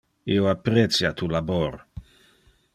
Io apprecia tu labor.